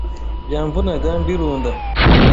Byamvunaga mbirunda!